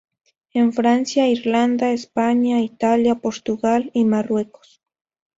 En Francia, Irlanda, España, Italia, Portugal y Marruecos.